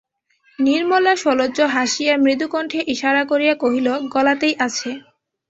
নির্মলা সলজ্জ হাসিয়া মুদুকণ্ঠে ইশারা করিয়া কহিল, গলাতেই আছে।